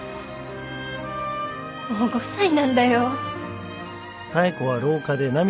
もう５歳なんだよ。